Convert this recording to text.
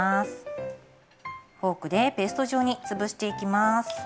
フォークでペースト状に潰していきます。